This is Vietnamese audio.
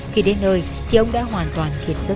khi đến nơi thì ông đã hoàn toàn kiệt sức